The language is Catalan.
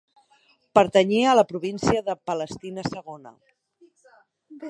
Pertanyia a la província de Palestina Segona.